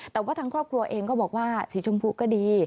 แต่ว่าทางครอบครัวเองก็บอกว่าสีชมพูก็ดี